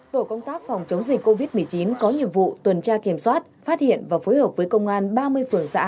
tổ công tác phòng chống dịch covid một mươi chín có nhiệm vụ tuần tra kiểm soát phát hiện và phối hợp với công an ba mươi phường xã